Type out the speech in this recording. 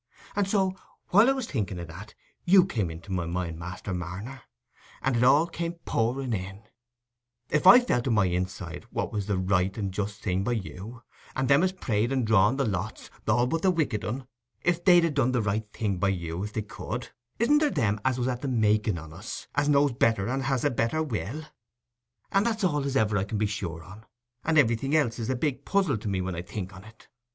And so, while I was thinking o' that, you come into my mind, Master Marner, and it all come pouring in:—if I felt i' my inside what was the right and just thing by you, and them as prayed and drawed the lots, all but that wicked un, if they'd ha' done the right thing by you if they could, isn't there Them as was at the making on us, and knows better and has a better will? And that's all as ever I can be sure on, and everything else is a big puzzle to me when I think on it.